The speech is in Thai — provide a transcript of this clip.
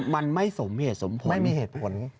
มันไม่สมมีเหตุสมผล